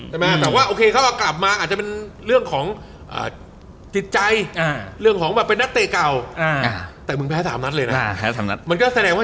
แต่กลับมาอาจจะเป็นเรื่องของติดใจเรื่องของเป็นนักเตะเก่าแต่มึงแพ้๓นัตรอีกเลยนะ